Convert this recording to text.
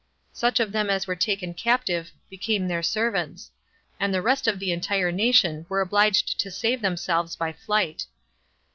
Such of them as were taken captive became their servants; and the rest of the entire nation were obliged to save themselves by flight.